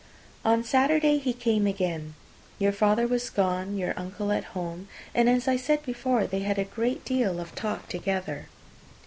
On Saturday he came again. Your father was gone, your uncle at home, and, as I said before, they had a great deal of talk together.